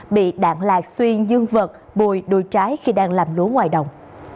bị đạn lạc xuyên dương vật bùi đuôi trái khi đang làm lúa ngoài đồng